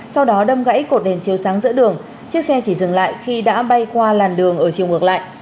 sau đó đâm gãy cột đèn chiếu sáng giữa đường chiếc xe chỉ dừng lại khi đã bay qua làn đường ở chiều ngược lại